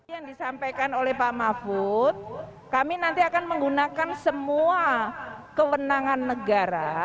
yang disampaikan oleh pak mahfud kami nanti akan menggunakan semua kewenangan negara